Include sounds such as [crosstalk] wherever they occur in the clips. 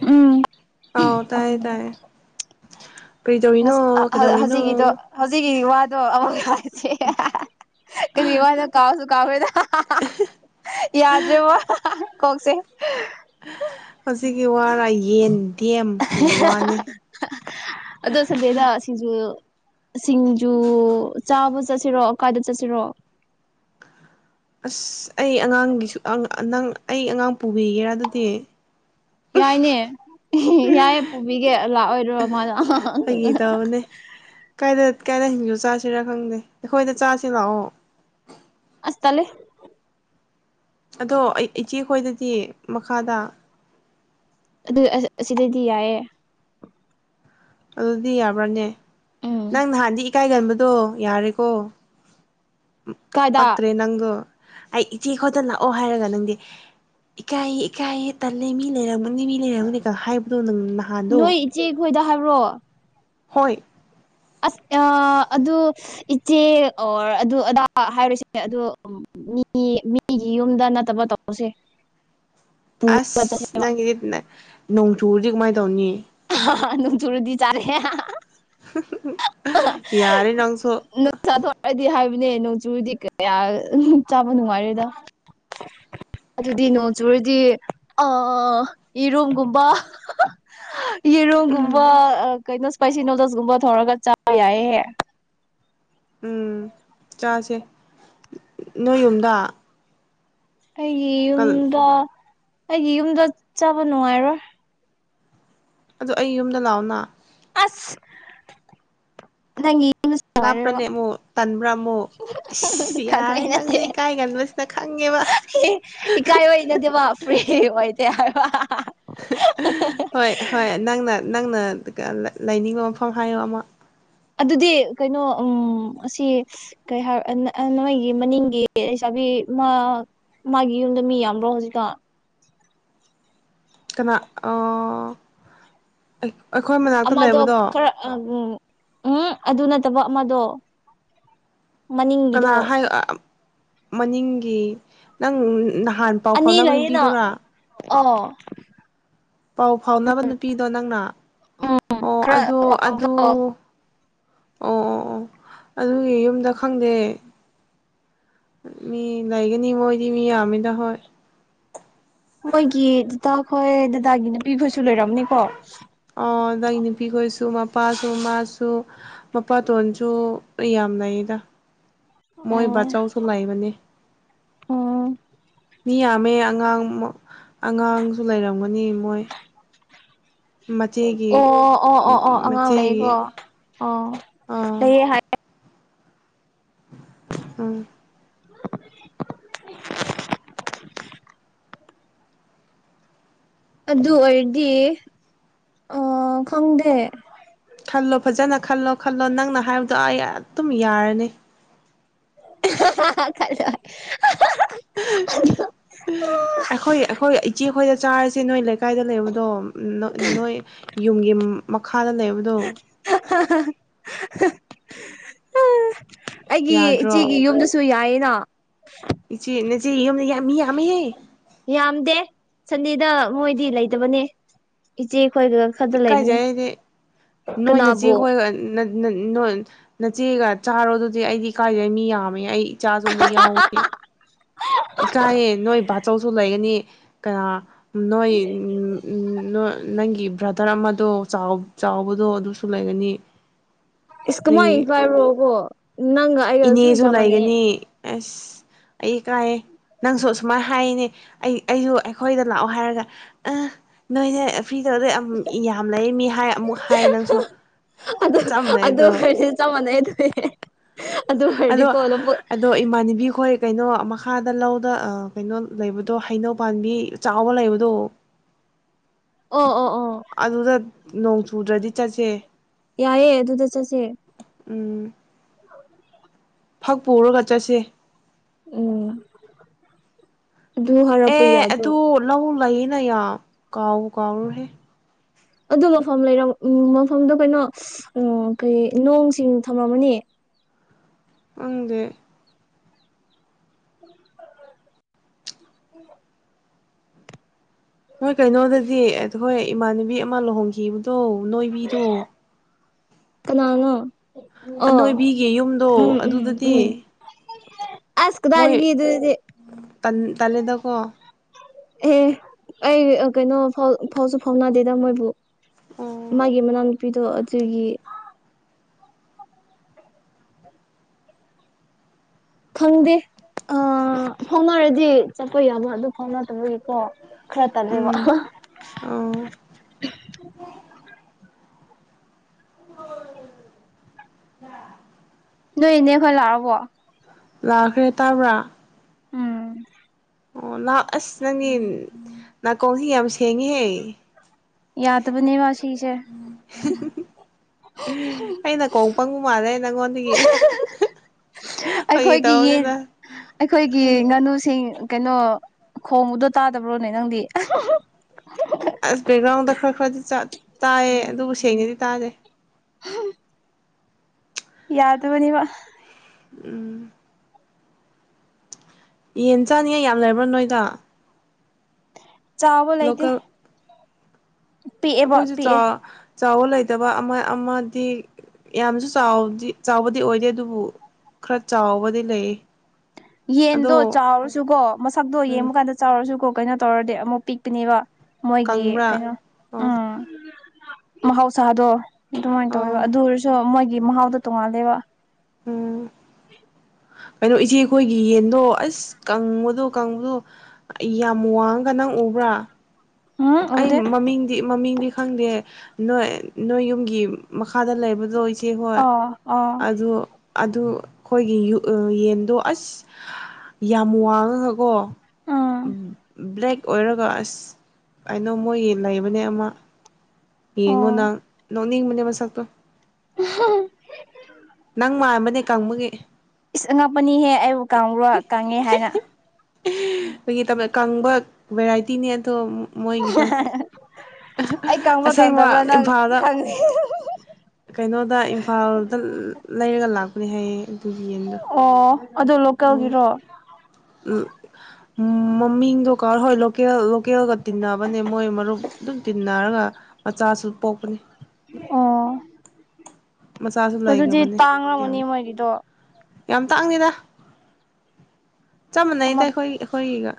ꯎꯝ ꯑꯥꯎ ꯇꯥꯏꯌꯦ ꯇꯥꯏꯌꯦ ꯀꯔꯤꯗꯧꯔꯤꯅꯣ ꯀꯩꯗꯧꯔꯤꯅꯣ ꯍꯧꯖꯤꯛꯀꯤꯗꯣ ꯍꯧꯖꯤꯛꯀꯤ ꯋꯥꯗꯣ [unintelligible] ꯀꯔꯤ ꯋꯥꯗ ꯀꯥꯎꯁꯨ ꯀꯥꯎꯈ꯭ꯔꯦꯗ ꯌꯥꯗ꯭ꯔꯦꯕꯣ ꯀꯣꯛꯁꯦ ꯍꯧꯖꯤꯛꯀꯤ ꯋꯥꯔꯥ ꯌꯦꯟꯗꯦꯝꯒꯤ ꯋꯥꯅꯤ ꯑꯗꯣ ꯁꯟꯗꯦꯗ ꯁꯤꯡꯖꯨ ꯁꯤꯡꯖꯨ ꯆꯥꯕ ꯆꯠꯁꯤꯔꯣ ꯀꯥꯏꯗ ꯆꯠꯁꯤꯔꯣ ꯑꯁ ꯑꯩ ꯑꯉꯥꯡꯒꯤꯁꯨ ꯅꯪ ꯑꯩ ꯑꯉꯥꯡ ꯄꯨꯕꯤꯒꯦꯔꯥ ꯑꯗꯨꯗꯤ ꯌꯥꯏꯅꯦ ꯌꯥꯏꯌꯦ ꯄꯨꯕꯤꯒꯦ ꯂꯥꯛꯑꯣꯏꯔꯣ ꯃꯥ ꯐꯒꯤ ꯇꯧꯕꯅꯦ ꯀꯥꯏꯗ ꯀꯥꯏꯗ ꯍꯤꯡꯖꯨ ꯆꯥꯁꯤꯔꯥ ꯈꯪꯗꯦ ꯑꯩꯈꯣꯏꯗ ꯆꯥꯁꯤ ꯂꯥꯛꯑꯣ ꯑꯁ ꯇꯜꯂꯦ ꯑꯗꯣ ꯑꯩ ꯏꯆꯦꯈꯣꯏꯗꯗꯤ ꯃꯈꯥꯗ ꯑꯗꯨ ꯑꯁ ꯑꯁꯤꯗꯩꯗꯤ ꯌꯥꯏꯌꯦ ꯑꯗꯨꯗꯤ ꯌꯥꯕ꯭ꯔꯥꯅꯦ ꯎꯝ ꯅꯪ ꯅꯍꯥꯟꯗꯤ ꯏꯀꯥꯏꯒꯟꯕꯗꯣ ꯌꯥꯔꯦꯀꯣ ꯀꯥꯏꯗ ꯄꯛꯇ꯭ꯔꯦ ꯅꯪꯒꯣ ꯑꯩ ꯏꯆꯦ ꯈꯣꯠꯇ ꯂꯥꯛꯑꯣ ꯍꯥꯏꯔꯒ ꯅꯪꯗꯤ ꯏꯀꯥꯏꯌꯦ ꯏꯀꯥꯏꯌꯦ ꯇꯜꯂꯦ ꯃꯤ ꯂꯩꯔꯝꯃꯅꯤ ꯃꯤ ꯂꯩꯔꯝꯒꯅꯤꯒ ꯍꯥꯏꯕꯗꯣ ꯅꯪꯅ ꯅꯣꯏ ꯏꯆꯦꯈꯣꯏꯗ ꯍꯥꯏꯕ꯭ꯔꯣ ꯍꯣꯏ ꯑꯁ ꯑꯥ ꯑꯗꯨ ꯏꯆꯦ ꯑꯣꯔ ꯑꯗꯨ ꯑꯗꯥ ꯍꯥꯏꯔꯣꯏꯁꯦ ꯑꯗꯨ ꯑꯥ ꯃꯤ ꯃꯤꯒꯤ ꯌꯨꯝꯗ ꯅꯠꯇꯕ ꯇꯧꯁꯦ ꯄꯨꯔꯒ ꯑꯁ ꯆꯠꯁꯦꯕ ꯅꯪꯒꯤꯗꯤ ꯅ ꯅꯣꯡ ꯆꯨꯔꯗꯤ ꯀꯃꯥꯏ ꯇꯧꯅꯤ ꯅꯨꯡ ꯆꯨꯔꯗꯤ ꯆꯥꯔꯦ ꯌꯥꯔꯦ ꯅꯪꯁꯨ ꯆꯥꯊꯣꯛꯛꯗꯤ ꯍꯥꯏꯕꯅꯦ ꯅꯣꯡ ꯆꯨꯗꯤ ꯀꯌꯥ ꯆꯥꯕ ꯅꯨꯡꯉꯥꯏꯔꯣꯏꯗ ꯑꯗꯨꯗꯤ ꯅꯣꯡ ꯆꯨꯔꯗꯤ ꯑ ꯌꯦꯔꯨꯝꯒꯨꯝꯕ ꯌꯦꯔꯨꯝꯒꯨꯝꯕ ꯎꯝ ꯀꯩꯅꯣ ꯏꯁꯄꯥꯏꯁꯤ ꯅꯨꯣꯗꯜꯁꯀꯨꯝꯕ ꯊꯧꯔꯒ ꯆꯥꯕ ꯌꯥꯏꯌꯦꯍꯦ ꯎꯝ ꯆꯥꯁꯦ ꯅꯣꯏ ꯌꯨꯝꯗ ꯑꯩꯒꯤ ꯑꯗꯨ ꯌꯨꯝꯗ ꯑꯩꯒꯤ ꯌꯨꯝꯗ ꯆꯥꯕ ꯅꯨꯡꯉꯥꯏꯔꯣꯏ ꯑꯗꯨꯗ ꯑꯩ ꯌꯨꯝꯗ ꯂꯥꯛꯑꯣꯅ ꯑꯁ ꯅꯪꯒꯤ [unintelligible] ꯅꯨꯪꯉꯥꯏꯔꯣꯌꯦꯕ ꯂꯥꯞꯄ꯭ꯔꯅꯦ ꯑꯃꯨꯛ ꯇꯟꯕ꯭ꯔꯥ ꯑꯃꯨꯛ ꯑꯁ ꯌꯥꯔꯦ ꯈꯡꯕꯩ ꯅꯪꯁꯦ ꯅꯥꯇꯦ ꯏꯀꯥꯏꯒꯟꯕꯁꯤꯅ ꯈꯪꯉꯦꯕ ꯏꯀꯥꯏꯕꯩ ꯅꯥꯇꯦꯕꯥ ꯐ꯭ꯔꯤ ꯑꯣꯏꯗꯦ ꯍꯥꯏꯕꯥ ꯍꯣꯏ ꯍꯣꯏ ꯅꯪꯅ ꯅꯪꯅ ꯂꯩꯅꯤꯡꯕ ꯃꯐꯝ ꯍꯥꯏꯌꯣ ꯑꯃ꯫ ꯑꯗꯨꯗꯤ ꯀꯩꯅꯣ ꯎꯝ ꯑꯁꯤ__ ꯀꯩ ꯍꯥꯏ ꯅꯣꯏꯒꯤ ꯃꯅꯤꯡꯒꯤ ꯂꯩꯁꯥꯕꯤ ꯑꯃ__ ꯃꯥꯒꯤ ꯌꯨꯝꯗꯨ ꯃꯤ ꯌꯥꯝꯕ꯭ꯔꯣ ꯍꯧꯖꯤꯛꯇꯣ ꯀꯅꯥ ꯑꯣ꯫ ꯑꯩ ꯑꯩꯈꯣꯏ ꯃꯅꯥꯛ ꯑꯃꯗꯣ ꯈꯔ ꯎ ꯎꯝ ꯑꯗꯨ ꯅꯠꯇꯕ ꯑꯃꯗꯣ꯫ ꯀꯅꯥ ꯃꯅꯤꯡꯒꯤꯗꯣ ꯍꯥꯏ ꯃꯅꯤꯡꯒꯤ ꯅꯪ ꯅꯍꯥꯟ__ ꯄꯥꯎ ꯑꯅꯤ ꯐꯥꯎꯅꯕ ꯂꯩꯌꯦꯅ ꯅꯨꯄꯤꯗꯨꯔꯥ꯫ ꯑꯣ ꯄꯥꯎ ꯐꯥꯎꯅꯕ ꯅꯨꯄꯤꯗꯣ ꯅꯪꯅ ꯎꯝ ꯑꯣ ꯈꯔ ꯑꯗꯣ ꯑꯗꯨ__ ꯋꯥꯡꯕꯗꯣ ꯑꯣ ꯑꯣ ꯑꯣ ꯑꯗꯨꯒꯤ ꯌꯨꯝꯗ ꯈꯪꯗꯦ꯫ ꯃꯤ ꯂꯩꯒꯅꯤ ꯃꯣꯏꯗꯤ ꯃꯤ ꯌꯥꯝꯃꯤꯗ ꯍꯣꯏ꯫ ꯃꯣꯏꯒꯤ ꯗꯇꯥꯈꯣꯏ ꯗꯗꯥꯒꯤ ꯅꯨꯄꯤ ꯈꯣꯏꯁꯨ ꯂꯩꯏꯔꯝꯅꯤꯀꯣ꯫ ꯑ ꯅꯪꯒꯤ ꯅꯨꯄꯤꯈꯣꯏꯁꯨ ꯃꯄꯥꯁꯨ ꯃꯥꯃꯁꯨ__ ꯃꯄꯥꯇꯣꯟꯁꯨ ꯌꯥꯝꯅ ꯂꯩꯌꯦꯗ꯫ ꯃꯣꯏ ꯎꯝ ꯕꯥꯆꯧꯁꯨ ꯂꯩꯕꯅꯦ꯫ ꯎꯝ ꯃꯤ ꯌꯥꯝꯃꯦ ꯑꯉꯥꯡ ꯑꯉꯥꯡꯖꯨ ꯂꯩꯔꯝꯒꯅꯤ ꯃꯣꯏ꯫ ꯃꯆꯦꯒꯤ ꯑꯣ ꯑꯣ ꯑꯣ ꯑꯣ ꯑꯉꯥꯡ ꯃꯆꯦꯒꯤ ꯂꯩꯀꯣ꯫ ꯑꯣ ꯑꯥ ꯂꯩꯌꯦ ꯍꯥꯏ꯫ ꯎꯝ꯫ [inaudible] ꯑꯗꯨ ꯑꯣꯏꯔꯗꯤ ꯑ ꯈꯪꯗꯦ꯫ ꯈꯜꯂꯣ ꯐꯖꯅ ꯈꯜꯂꯣ ꯈꯜꯂꯣ ꯅꯪꯅ ꯍꯥꯏꯕꯗꯣ ꯑꯩ ꯑꯗꯨꯝ ꯌꯥꯔꯅꯤ꯫ ꯍ ꯍꯥ ꯍꯥ ꯈꯟꯂꯣ ꯑꯩꯈꯣꯏ ꯑꯩꯈꯣꯏ ꯏꯆꯦꯈꯣꯏꯗ ꯆꯥꯔꯁꯦ ꯅꯣꯏ ꯂꯩ__ ꯀꯥꯏꯗ ꯂꯩꯕꯗꯣ ꯅꯣꯏ ꯌꯨꯝꯒꯤ ꯃꯈꯥꯗ ꯂꯩꯕꯗꯣ__ ꯍꯥ ꯍꯥ ꯍꯥ ꯑꯩꯒꯤ ꯌꯥꯗ꯭ꯔꯣ ꯏꯆꯦꯒꯤ ꯌꯨꯝꯗꯁꯨ__ ꯇꯨ ꯌꯥꯥꯏꯑꯦꯅꯥ꯫ ꯏꯆꯦ ꯅꯆꯦꯒꯤ ꯌꯨꯝ ꯌꯥꯝ ꯃꯤ ꯌꯥꯃꯤꯍꯦ꯫ ꯌꯥꯝꯗꯦ ꯁꯟꯗꯦꯗ ꯃꯣꯏꯗꯤ ꯂꯩꯇꯕꯅꯦ꯫ ꯏꯆꯦꯈꯣꯏꯒ ꯈꯔꯗ ꯂꯩꯕꯅꯤ ꯏꯀꯥꯏꯖꯩ ꯀꯅꯥꯕꯨ꯫ [unintelligible] ꯅ ꯅꯆꯦꯒ ꯆꯥꯔꯣ ꯑꯗꯨꯗꯤ ꯑꯩꯗꯤ ꯏ ꯀꯥꯏꯖꯩ ꯃꯤ ꯌꯥꯝꯃꯦ ꯑꯩ ꯏꯆꯥꯁꯨ ꯑꯃꯨꯛ ꯌꯥꯎꯒꯅꯤ꯫ ꯏꯀꯥꯏꯌꯦ ꯅꯣꯏ ꯕꯥꯆꯧꯁꯨ ꯂꯩꯒꯅꯤ ꯀꯅꯥ ꯅꯣꯏ ꯅꯪꯒꯤ ꯕ꯭ꯔ ꯂꯤꯇꯔ ꯑꯃꯗꯣ ꯆꯥꯎ ꯆꯥꯎꯕꯗꯣ ꯑꯗꯨꯁꯨ ꯂꯩꯒꯅꯤ ꯏꯁ ꯅꯪꯒꯤ ꯀꯃꯥꯏ [unintelligible] ꯀꯣ ꯏꯅꯦꯁꯨ ꯂꯩꯒꯅꯤ ꯑꯁ ꯑꯩ ꯀꯥꯏꯌꯦ ꯅꯪꯁꯨ ꯑꯁꯨꯃꯥꯏꯅ ꯍꯥꯏꯔꯤꯅꯦ ꯑꯩ ꯑꯩꯁꯨ ꯑꯩꯈꯣꯏꯗ ꯂꯥꯛꯑꯣ ꯍꯥꯏꯔꯒ ꯑ ꯅꯣꯏ ꯐ꯭ꯔꯤꯗꯗꯩ ꯑꯃꯨꯛ ꯌꯥꯝ ꯂꯩꯌꯦ ꯃꯤ ꯍꯥꯏ ꯑꯃꯨꯛ ꯍꯥꯏꯌꯦ ꯅꯪꯁꯨ ꯆꯞ ꯃꯅꯩ ꯑꯗꯣ ꯑꯦ ꯆꯞ ꯃꯅꯩ ꯑꯗꯨꯗꯤ ꯑꯗꯨ ꯑꯗꯣ ꯑꯣꯏꯔꯗꯤꯀꯣ ꯂꯧꯕꯨꯛ ꯑꯗꯣ ꯏꯃꯥꯟꯅꯕꯤꯈꯣꯏ ꯀꯩꯅꯣ ꯃꯈꯥꯗ ꯂꯧꯗ ꯀꯩꯅꯣ ꯂꯩꯕꯗꯣ ꯍꯩꯅꯧ ꯄꯥꯝꯕꯤ ꯆꯥꯎꯕ ꯂꯩꯕꯗꯣ ꯑꯣ ꯑꯣ ꯑꯣ ꯑꯗꯨꯗ ꯅꯣꯡ ꯆꯨꯗ꯭ꯔꯗꯤ ꯆꯠꯁꯦ ꯌꯥꯏꯑꯦ ꯑꯗꯨꯗ ꯆꯠꯁꯦ ꯎꯝ ꯐꯛ ꯄꯨꯔꯒ ꯆꯠꯁꯦ ꯎꯝ ꯑꯗꯨ ꯍꯥꯏꯔꯛꯄ ꯑꯦ ꯑꯗꯨ ꯌꯥꯗꯔꯣ ꯂꯧ ꯂꯩꯌꯦꯅ ꯌꯥꯝ ꯀꯥꯎꯕꯨ ꯀꯥꯎꯔꯨꯔꯦꯍꯦ ꯑꯗꯨ ꯃꯐꯝ ꯂꯩꯔꯝ ꯎꯝ ꯃꯐꯝꯗꯣ ꯀꯩꯅꯣ ꯎꯝ ꯀꯔꯤ ꯅꯣꯡꯁꯤꯡ ꯊꯝꯂꯝꯝꯃꯅꯤ ꯈꯪꯗꯦ [unintelligible] ꯅꯣꯏ ꯀꯩꯅꯣꯗꯗꯤ ꯑꯩꯈꯣꯏ ꯏꯃꯥꯟꯅꯕꯤ ꯑꯃ ꯂꯨꯍꯣꯡꯈꯤꯕꯗꯣ ꯅꯣꯏꯕꯤꯗꯣ ꯀꯅꯥꯅꯣ ꯑꯣ ꯑꯅꯣꯏꯕꯤꯒꯤ ꯌꯨꯝꯗꯣ ꯎꯝ ꯎꯝ ꯎꯝ ꯑꯗꯨꯗꯗꯤ ꯑꯁ ꯀꯗꯥꯏꯗꯒꯤ ꯑꯗꯨꯗꯤ ꯇꯜ ꯇꯜꯂꯦꯗꯀꯣ ꯑꯦ ꯑꯦ ꯑꯩ ꯀꯩꯅꯣ ꯐꯥꯎꯁꯨ ꯐꯥꯎꯅꯗꯦꯗ ꯃꯣꯏꯕꯨ ꯑꯣ ꯃꯥꯒꯤ ꯃꯅꯥꯎ ꯅꯨꯄꯤꯗꯣ ꯑꯗꯨꯒꯤ ꯈꯪꯗꯦ ꯑ ꯐꯥꯎꯅꯔꯗꯤ ꯆꯠꯄ ꯌꯥꯕ ꯑꯗꯨ ꯐꯥꯎꯅꯗꯕꯒꯤꯀꯣ ꯈꯔ ꯇꯜꯂꯦꯕ ꯎꯝ [unintelligible] ꯅꯣꯏ ꯏꯅꯦ ꯈꯣꯏ ꯂꯥꯛꯑꯕꯣ ꯂꯥꯛꯈ꯭ꯔꯦ ꯇꯥꯕ꯭ꯔꯥ ꯎꯝ ꯑꯣ ꯂꯥꯛ ꯑꯁ ꯅꯪꯒꯤ ꯅꯥꯀꯣꯡꯁꯤ ꯌꯥꯝ ꯁꯦꯡꯉꯤꯍꯦ ꯌꯥꯗꯕꯅꯤꯕ ꯁꯤꯒꯤ ꯁꯦ ꯑꯩ ꯅꯥꯀꯣꯡ ꯄꯪꯕ ꯃꯥꯥꯟꯅꯦ ꯅꯪꯉꯣꯟꯗꯒꯤ ꯐꯥꯒꯤ ꯑꯩꯈꯣꯏꯒꯤ ꯌꯦꯟ ꯇꯧꯕꯅꯤꯗ ꯑꯩꯈꯣꯏꯒꯤ ꯉꯥꯅꯨꯁꯤꯡ ꯀꯩꯅꯣ ꯈꯣꯡꯕꯗꯣ ꯇꯥꯗꯕ꯭ꯔꯣꯅꯦ ꯅꯪꯗꯤ ꯑꯁ ꯕꯦꯛꯒ꯭ꯔꯥꯎꯟꯗ ꯈꯔ ꯈꯔꯗꯤ ꯇꯥꯏꯌꯦ ꯑꯗꯨꯕꯨ ꯁꯦꯡꯅꯗꯤ ꯇꯥꯗꯦ [unintelligible] ꯌꯥꯗꯕꯅꯤꯕ ꯎꯝ ꯌꯦꯟ ꯆꯥꯅꯤꯉꯥꯏ ꯌꯥꯝ ꯂꯩꯔꯕ꯭ꯔꯣ ꯅꯣꯏꯗ ꯆꯥꯎꯕ ꯂꯩꯥꯇꯦ ꯂꯣꯀꯦꯜ ꯑꯩꯈꯣꯏꯁꯨ ꯆꯥꯎꯕ ꯆꯥꯎꯕ ꯂꯩꯇꯕ ꯑꯃ ꯑꯃꯗꯤ ꯌꯥꯝꯁꯨ ꯆꯥꯎ ꯆꯥꯎꯕꯗꯤ ꯑꯣꯏꯗꯦ ꯑꯗꯨꯕꯨ ꯈꯔ ꯆꯥꯎꯕꯗꯤ ꯂꯩꯑꯦ ꯌꯦꯟꯗꯣ ꯆꯥꯎꯔꯁꯨꯀꯣ ꯃꯁꯛꯇꯣ ꯎꯝ ꯌꯦꯡꯕ ꯀꯥꯟꯗ ꯆꯥꯎꯔꯖꯨꯀꯣ ꯀꯩꯅꯣ ꯇꯧꯔꯗꯤ ꯑꯃꯨꯛ ꯄꯤꯛꯇꯨꯅꯦꯕ ꯃꯣꯏꯒꯤ ꯀꯪꯕ꯭ꯔꯥ ꯀꯩꯅꯣ ꯑꯣ ꯎꯝ ꯃꯍꯧ ꯁꯥꯗꯣ ꯑꯗꯨꯃꯥꯏꯅ ꯇꯧꯋꯦꯕ ꯑꯣ ꯑꯗꯨ ꯑꯣꯏꯔꯖꯨ ꯃꯣꯏꯒꯤ ꯃꯍꯥꯎꯗꯣ ꯇꯣꯡꯉꯥꯜꯂꯦꯕ ꯎꯝ ꯀꯩꯅꯣ ꯏꯆꯦ ꯑꯩꯈꯣꯏꯒꯤ ꯌꯦꯟꯗꯣ ꯑꯁ ꯀꯪꯕꯗꯣ ꯀꯪꯕꯗꯣ ꯌꯥꯝ ꯋꯥꯡꯉꯒ ꯅꯪ ꯎꯕ꯭ꯔꯥ ꯎꯝ ꯑꯩ ꯎꯗꯦ ꯃꯃꯤꯡꯗꯤ ꯃꯃꯤꯡꯗꯤ ꯈꯪꯗꯦ ꯅꯣꯏ ꯅꯣꯏ ꯌꯨꯝꯒꯤ ꯃꯈꯥꯗ ꯂꯩꯕꯗꯣ ꯇꯦ ꯍꯣꯏ ꯑꯥ ꯑꯥ ꯑꯗꯨ ꯑꯗꯨ ꯑꯩꯈꯣꯏꯒꯤ ꯌꯦꯟꯗꯣ ꯑꯁ ꯌꯥꯝ ꯋꯥꯡꯉꯒꯀꯣ ꯎꯝ ꯕ꯭ꯂꯦꯛ ꯑꯣꯏꯔꯒ ꯑꯁ ꯑꯩꯅꯣ ꯃꯣꯏ ꯂꯩꯕꯅꯦ ꯑꯃ ꯌꯦꯡꯉꯣ ꯑꯣ ꯅꯪ ꯅꯣꯛꯅꯤꯡꯕꯅꯦ ꯃꯁꯛꯇꯣ ꯎꯝ ꯍꯨꯝ ꯅꯪ ꯃꯥꯟꯕꯅꯦ ꯀꯪꯕꯒꯤ ꯏꯁ ꯑꯉꯛꯄꯅꯤꯍꯦ ꯑꯩꯕꯨ ꯀꯥꯡꯕ꯭ꯔꯣ ꯀꯥꯡꯉꯦ ꯍꯥꯏꯅ ꯐꯥꯒꯤ ꯇꯧꯕ ꯀꯪꯕ ꯚꯦꯔꯥꯏꯇꯤꯅꯦ ꯑꯗꯣ ꯃꯣꯏꯒꯤꯗꯣ ꯑꯩ ꯀꯪꯕ꯭ꯔꯥ ꯀꯪꯗꯕ꯭ꯔꯥ ꯑꯁꯦꯡꯕ ꯅꯪꯪ ꯏꯝꯐꯥꯜꯗ ꯈꯪꯅꯤ ꯀꯩꯅꯣꯗ ꯏꯝꯐꯥꯜꯗ ꯂꯩꯔꯒ ꯂꯥꯛꯄꯅꯦ ꯍꯥꯏꯌꯦ ꯑꯗꯨꯒꯤ ꯌꯦꯟꯗꯣ ꯑꯣ ꯑꯗꯣ ꯂꯣꯀꯦꯜꯒꯤꯔꯣ ꯎꯝ ꯃꯃꯤꯡꯗꯣ ꯀꯥꯎꯔꯦ ꯍꯣꯏ ꯂꯣꯀꯦꯜ ꯂꯣꯀꯦꯜꯒ ꯇꯤꯟꯅꯕꯅꯦ ꯃꯣꯏ ꯃꯔꯨꯞ ꯑꯗꯨꯝ ꯇꯤꯟꯅꯔꯒ ꯃꯆꯥꯁꯨ ꯄꯣꯛꯄꯅꯤ ꯑꯣ ꯃꯆꯥꯁꯨ ꯑꯗꯨꯗꯤ ꯂꯩꯈ꯭ꯔꯕꯅꯦ ꯇꯥꯡꯉꯝꯃꯅꯤ ꯌꯥꯝ ꯃꯣꯏꯒꯤꯗꯣ ꯌꯥꯝ ꯇꯥꯡꯗꯦꯗ ꯆꯞ ꯑꯃ ꯃꯥꯟꯅꯩꯗ ꯑꯩꯈꯣꯏꯒꯤ ꯑꯩꯈꯣꯏꯒꯤꯒ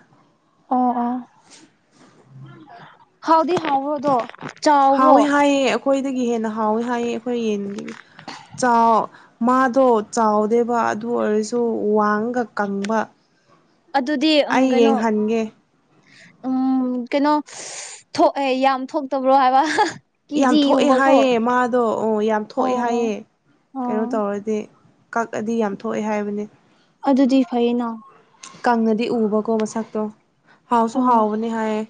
ꯑꯣ ꯑꯣ ꯍꯥꯎꯗꯤ ꯍꯥꯎꯕꯗꯣ ꯍꯥꯎꯋꯤ ꯍꯥꯏꯌꯦ ꯈꯣꯏꯗꯒꯤ ꯍꯦꯟꯅ ꯍꯥꯎꯋꯦ ꯍꯥꯏꯌꯦ ꯑꯩꯈꯣꯏ ꯌꯦꯟꯗꯒꯤ ꯆꯥꯡꯎ ꯃꯥꯗꯣ ꯆꯥꯎꯗꯦ ꯑꯗꯨ ꯑꯣꯏꯔꯖꯨ ꯋꯥꯡꯒ ꯀꯪꯕ ꯑꯗꯨꯗꯤ ꯎꯝ ꯑꯩ ꯀꯩꯅꯣ ꯌꯦꯡꯍꯟꯒꯦ ꯎꯝ ꯀꯩꯅꯣ ꯊꯣꯛꯑꯦ ꯌꯥꯝ ꯊꯣꯛꯇꯕ꯭ꯔꯣ ꯍꯥꯏꯕ ꯌꯥꯝ ꯊꯣꯛꯑꯦ ꯀꯦꯖꯤꯒꯨꯝꯕꯀꯣ ꯍꯥꯏꯑꯦ ꯃꯥꯗꯣ ꯑꯣ ꯌꯥꯝ ꯊꯣꯛꯑꯦ ꯑꯣ ꯍꯥꯏꯌꯦꯦ ꯀꯩꯅꯣ ꯑꯣ ꯇꯧꯔꯗꯤ ꯀꯛꯑꯗꯤ ꯌꯥꯝ ꯊꯣꯛꯑꯦ ꯍꯥꯏꯕꯅꯤ ꯑꯗꯨꯗꯤ ꯐꯩꯌꯦꯅ ꯀꯪꯉꯗꯤ ꯎꯕꯀꯣ ꯃꯁꯛꯇꯣ ꯍꯥꯎꯁꯨ ꯑꯣ ꯍꯥꯎꯕꯅꯦ ꯍꯥꯏꯌꯦ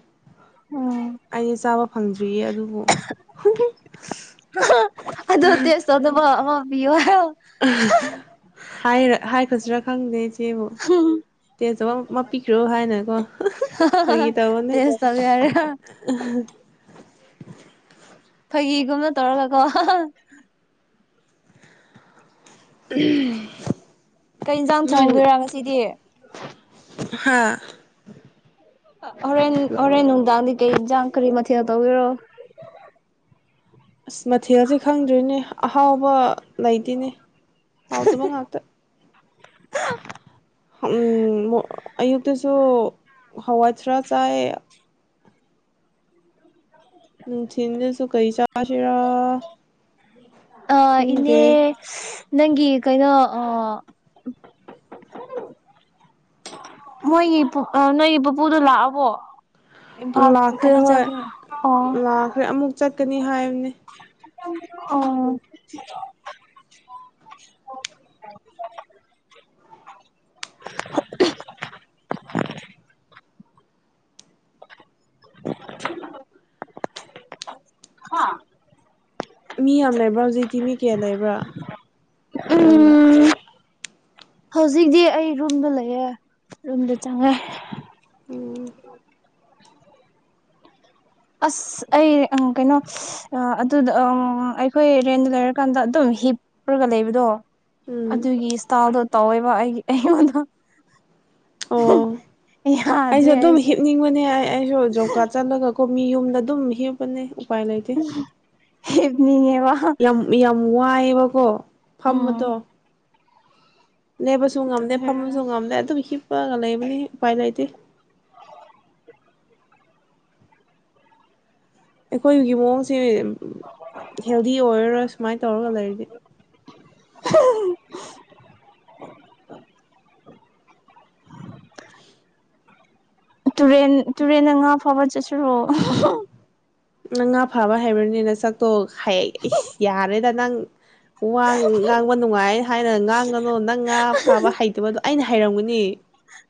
ꯎꯝ ꯑꯩ ꯆꯥꯕ ꯐꯪꯗ꯭ꯔꯤꯌꯦ ꯑꯗꯨꯕꯨ ꯑꯗꯨ ꯇꯁ ꯇꯧꯗꯕ ꯑꯃ ꯄꯤꯌꯣ ꯍꯥꯏꯈ꯭ꯔꯁꯤꯔꯥ ꯈꯪꯗꯦ ꯏꯆꯦꯕꯨ ꯇꯦ ꯆꯧꯑꯣ ꯑꯃ ꯄꯤꯈ꯭ꯔꯣ ꯍꯥꯏꯅꯀꯣ ꯐꯒꯤ ꯇꯧꯕꯅꯦ ꯇꯦꯁ ꯇꯧꯒꯦ ꯍꯥꯏꯔ ꯎꯝ ꯐꯒꯤꯒꯨꯝꯅ ꯇꯧꯔꯒꯀꯣ ꯎ ꯀꯩ ꯑꯤꯟꯖꯡ ꯊꯣꯡꯗꯣꯏꯔꯥ ꯉꯁꯤꯗꯤ ꯍꯥꯥ ꯍꯣꯔꯦꯟ ꯍꯣꯔꯦꯟ ꯅꯨꯡꯗꯥꯡꯗꯤ ꯀꯩ ꯑꯤꯟꯖꯥꯡ ꯀꯔꯤ ꯃꯊꯦꯜ ꯇꯧꯒꯦꯔꯣ ꯑꯁ ꯃꯊꯦꯜꯁꯦ ꯈꯪꯗ꯭ꯔꯦꯅꯦ ꯑꯍꯥꯎꯕ ꯂꯩꯇꯦꯅꯦ ꯍꯥꯎꯇꯕ ꯉꯥꯛꯇ ꯑꯌꯨꯛꯇꯁꯨ ꯍꯋꯥꯏꯊꯔꯥꯛ ꯆꯥꯏ ꯅꯨꯡꯊꯤꯟꯗꯁꯨ ꯀꯩ ꯆꯥꯁꯤꯔ ꯑ ꯏꯅꯦ ꯅꯪꯒꯤ ꯀꯩꯅꯣ ꯑ ꯃꯣꯏꯒꯤ ꯅꯣꯏꯒꯤ ꯄꯨꯄꯨꯗꯣ ꯂꯥꯛꯑꯕꯣ ꯢꯝꯐꯥꯜ ꯀꯩꯅꯣ ꯆꯠꯕ ꯑꯣ ꯍꯣꯢ ꯑꯃꯨꯛ ꯆꯠꯀꯅꯤ ꯍꯥꯏꯕꯅꯦ ꯑꯣ [inaudible] ꯍꯥ ꯃꯤ ꯌꯥꯝ ꯂꯩꯕ꯭ꯔꯥ ꯍꯧꯖꯤꯛꯇꯤ ꯃꯤ ꯀꯌꯥ ꯂꯩꯕ꯭ꯔꯥ ꯅꯪꯒ ꯎꯝ ꯍꯧꯖꯤꯛꯇꯤ ꯑꯩ ꯔꯨꯝꯗ ꯂꯩꯌꯦ ꯔꯨꯝꯗ ꯆꯪꯉꯦ ꯎꯝ ꯑꯁ ꯑꯩ ꯀꯩꯅꯣ ꯑꯗꯨꯗ ꯑꯩꯈꯣꯏ ꯔꯦꯟꯗ ꯂꯩꯔꯀꯥꯟꯗ ꯑꯗꯨꯝ ꯍꯤꯞꯄꯒ ꯂꯩꯕꯗꯣ ꯎꯝ ꯑꯗꯨꯒꯤ ꯏꯁꯇꯥꯗꯣ ꯇꯧꯋꯦꯕ ꯑꯩ ꯑꯩꯉꯣꯟꯗ ꯑꯣ ꯑꯩꯁꯨ ꯌꯥꯗ꯭ꯔꯦ ꯑꯗꯨꯝ ꯑꯩꯁꯦ ꯍꯤꯞꯅꯤꯡꯕꯅꯦ ꯑꯩ ꯑꯩꯁꯨ ꯖꯣꯕ ꯀꯥꯔꯗ ꯆꯠꯂꯒ ꯀꯣꯃꯤ ꯌꯨꯝꯗ ꯑꯗꯨꯝ ꯍꯦꯞꯄꯅꯦ ꯎꯄꯥꯏ ꯂꯩꯇꯦ ꯍꯤꯞꯅꯤꯡꯉꯦꯕ ꯌꯥꯝ ꯌꯥꯝ ꯋꯥꯏꯑꯦꯕꯀꯣ ꯎꯝ ꯐꯝꯕꯗꯣ ꯂꯦꯕꯁꯨ ꯉꯝꯗꯦ ꯐꯝꯕꯁꯨ ꯉꯝꯗꯦ ꯑꯗꯨꯝ ꯍꯤꯞꯄꯒ ꯂꯩꯕꯅꯤ ꯎꯄꯥꯏ ꯂꯩꯇꯦ ꯑꯩꯈꯣꯏꯒꯤ ꯃꯑꯣꯡꯁꯦ ꯍꯦꯜꯗꯤ ꯑꯣꯏꯔꯔꯣꯏ ꯁꯨꯃꯥꯏꯅ ꯇꯧꯔꯒ ꯂꯩꯔꯗꯤ ꯎ [unintelligible] [inaudible] ꯇꯨꯔꯦꯟ ꯇꯨꯔꯦꯟꯗ ꯉꯥ ꯐꯥꯕ ꯆꯠꯁꯤꯔꯣ ꯅꯪ ꯉꯥ ꯐꯥꯕ ꯍꯩꯕ꯭ꯔꯅꯦ ꯁꯛꯇꯣ ꯍꯥꯏ ꯌꯥꯔꯦꯗ ꯅꯪ ꯋꯥ ꯉꯥꯡꯕ ꯅꯨꯡꯉꯥꯏ ꯍꯥꯏꯅ ꯉꯥꯡꯒꯅꯨ ꯅꯪ ꯉꯥ ꯐꯥꯕ ꯍꯩꯇꯕꯗꯣ ꯑꯩꯅ ꯍꯩꯔꯝꯒꯅꯤ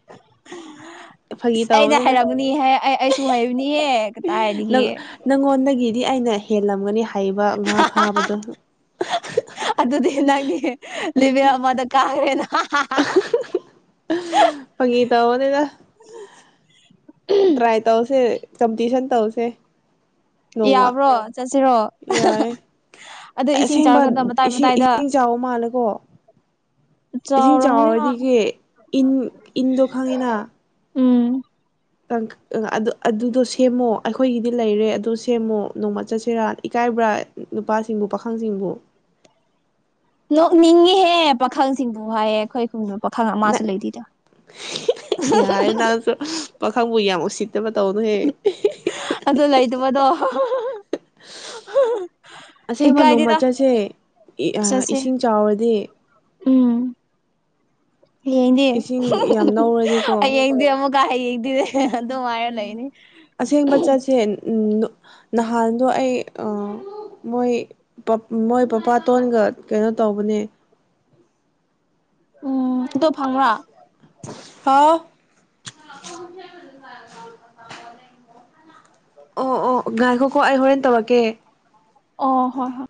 [inaudible] ꯑ ꯐꯥꯒꯤ ꯑꯩꯩꯅ ꯇꯧꯕꯅꯤꯗ ꯍꯩꯔꯛꯒꯅꯤ ꯑꯩꯁꯨ ꯍꯩꯕꯅꯤꯍꯦ ꯀꯗꯥꯥꯏꯗꯒꯤ ꯅꯪ ꯅꯪꯉꯣꯟꯗꯒꯤꯗꯤ ꯑꯩꯅ ꯍꯦꯜꯂꯝꯒꯅꯤ ꯍꯩꯕ ꯉꯥ ꯐꯥꯕꯗꯣ ꯑꯗꯨꯗꯤ ꯅꯪꯗꯤ ꯂꯤꯕꯦꯜ ꯑꯃꯗ ꯀꯥꯔꯦꯅ ꯍꯥ ꯍꯥ ꯍꯥ [inaudible] ꯐꯒꯤ ꯇꯧꯕꯅꯤꯗ [inaudible] ꯇ꯭ꯔꯥꯏ ꯇꯧꯁꯦ ꯀꯝꯄꯤꯇꯤꯁꯟ ꯇꯧꯁꯦ ꯅꯣꯡꯃ ꯌꯥꯕ꯭ꯔꯣ ꯆꯠꯁꯤꯔꯣ ꯌꯥꯏ ꯑꯗꯨ ꯏꯁꯤꯡ ꯑꯁꯦꯡꯕ ꯆꯥꯎꯔꯀꯥꯟꯗ ꯃꯇꯥꯏ ꯏꯁꯤꯡ ꯃꯇꯥꯏꯗ ꯏꯁꯤꯡ ꯆꯥꯎꯕ ꯃꯥꯜꯂꯦꯀꯣ ꯏꯁꯤꯡ ꯆꯥꯎꯔꯝꯒꯅꯤ ꯍꯣꯏ ꯆꯥꯎꯔꯗꯤꯒꯦ ꯏꯟ ꯏꯟꯗꯣ ꯈꯪꯉꯦꯅ ꯎꯝ ꯑ ꯑꯗꯨ ꯑꯗꯨꯗꯣ ꯁꯦꯝꯃꯣ ꯑꯩꯈꯣꯏꯒꯤꯗꯤ ꯂꯩꯔꯦ ꯑꯗꯨ ꯁꯦꯝꯃꯣ ꯅꯣꯡꯃ ꯆꯠꯁꯤꯔꯥ ꯏꯀꯥꯏꯕ꯭ꯔꯥ ꯅꯨꯄꯥꯁꯤꯡꯕꯨ ꯄꯥꯈꯪꯁꯤꯡꯕꯨ ꯅꯣꯛꯅꯤꯡꯉꯤꯍꯦ ꯄꯥꯈꯪꯁꯤꯡꯕꯨ ꯍꯥꯏꯌꯦ ꯑꯩꯈꯣꯏ ꯈꯨꯟꯅꯣ ꯄꯥꯈꯪ ꯑꯃꯥꯁꯨ ꯂꯩꯇꯦꯗ [unintelligible] [unintelligible] ꯄꯥꯈꯥꯪꯕꯨ ꯌꯥꯝ ꯎꯁꯤꯠꯇꯕ ꯇꯧꯅꯨꯍꯦ ꯑꯗꯨ ꯂꯩꯇꯕꯗꯣ ꯑꯁꯦꯡꯕ ꯅꯣꯡꯃ ꯏꯀꯥꯏꯗꯦꯗ ꯆꯠꯁꯦ ꯏ ꯆꯠꯁꯦ ꯏꯁꯤꯡ ꯆꯥꯎꯔꯗꯤ ꯎꯝ ꯍꯌꯦꯡꯗꯤ ꯏꯁꯤꯡ ꯌꯥꯝ ꯅꯧꯔꯗꯤꯀꯣ ꯍꯌꯦꯡꯗꯤ ꯑꯃꯨꯛ ꯂꯥ ꯍꯌꯦꯡꯗꯤ ꯑꯗꯨꯝ ꯍꯥꯏꯔ ꯂꯩꯅꯤ ꯎꯝꯅ ꯅꯍꯥꯟꯗꯣ ꯑꯩ ꯑ ꯃꯣꯏ ꯄꯞ ꯃꯣꯏ ꯄꯄꯥꯇꯣꯟꯒ ꯀꯩꯅꯣ ꯇꯧꯕꯅꯦ ꯎꯝ ꯑꯗꯣ ꯐꯪꯔꯥ ꯍꯥꯎ ꯉꯥꯁꯤ ꯑꯣ ꯑꯣ ꯉꯥꯏꯈꯣꯀꯣ ꯑꯩ ꯍꯣꯔꯦꯟ ꯇꯧꯔꯛꯀꯦ ꯑꯣ ꯍꯣꯏ ꯍꯣꯏ